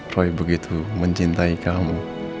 roy begitu mencintai kamu